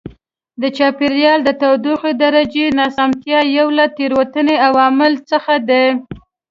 د چاپېریال د تودوخې درجې ناسمتیا یو له تېروتنې عواملو څخه دی.